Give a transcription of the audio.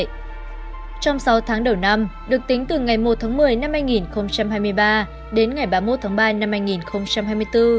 trong sáu tháng đầu năm được tính từ ngày một tháng một mươi năm hai nghìn hai mươi ba đến ngày ba mươi một tháng ba năm hai nghìn hai mươi bốn